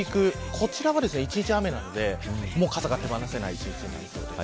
こちらは、一日雨なのでもう傘が手放せない一日になりそうです。